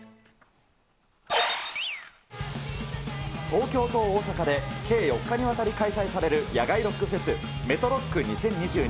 東京と大阪で、計４日にわたり開催される野外ロックフェス、メトロック２０２２。